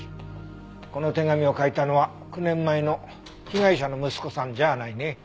この手紙を書いたのは９年前の被害者の息子さんじゃないね。